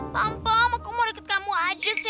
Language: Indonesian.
pom pom aku mau deket kamu aja sih